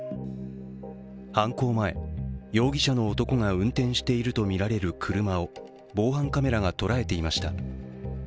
犯行前、容疑者の男が運転しているとみられる車を防犯カメラが捉えていました。